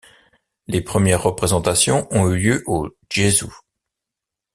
Les premières représentations ont eu lieu au Gèsu.